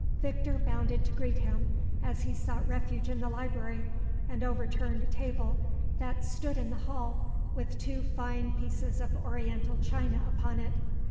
Victor bounded to greet him as he sought refuge in the library, and overturned a table that stood in the hall with two fine pieces of oriental china upon it.